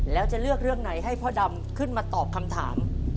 แล้วจะเลือกเรื่องไหนให้พ่อดำขึ้นมาตอบคำถาม